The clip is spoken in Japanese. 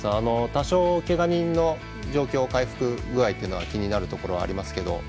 多少、けが人の状況の回復具合が気になるところはありますけど。